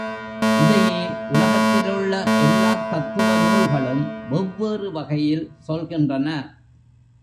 இதையே உலகத்திலுள்ள எல்லாத் தத்துவ நூல்களும் வெவ்வேறு வகையில் சொல்கின்றன.